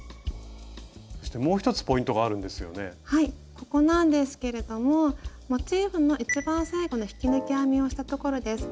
ここなんですけれどもモチーフの一番最後の引き抜き編みをしたところです。